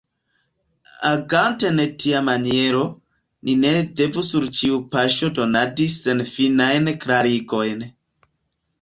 Agante en tia maniero, ni ne devu sur ĉiu paŝo donadi senfinajn klarigojn.